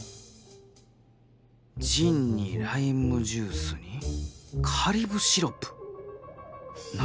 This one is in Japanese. ジンにライムジュースにカリブシロップ何？